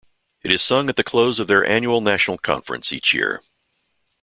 It is sung at the close of their annual national conference each year.